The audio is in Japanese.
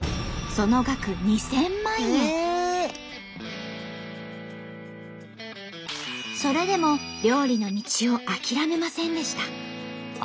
その額それでも料理の道を諦めませんでした。